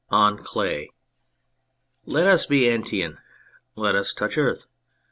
ON CLAY LET us be Antean : let us touch earth.